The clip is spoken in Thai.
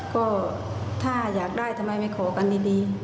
ก็ถ้าอยากได้ทำไมไม่ขอกันดี